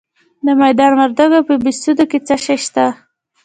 د میدان وردګو په بهسودو کې څه شی شته؟